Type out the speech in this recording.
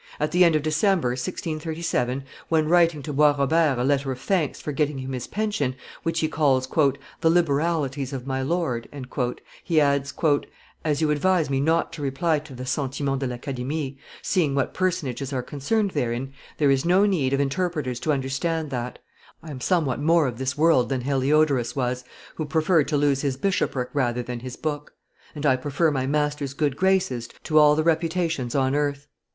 At the end of December, 1637, when writing to Bois Robert a letter of thanks for getting him his pension, which he calls "the liberalities of my Lord," he adds, "As you advise me not to reply to the Sentiments de l'Academie, seeing what personages are concerned therein, there is no need of interpreters to understand that; I am somewhat more of this world than Heliodorus was, who preferred to lose his bishopric rather than his book; and I prefer my master's good graces to all the reputations on earth.